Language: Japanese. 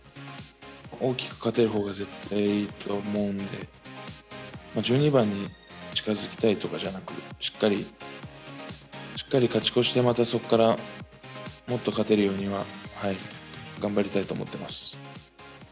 大きく勝てるほうが絶対いいと思うので、１２番に近づきたいとかじゃなく、しっかり勝ち越してまたそこからもっと勝てるようには、頑張りたいと思ってます。